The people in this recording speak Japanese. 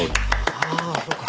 ああそうか。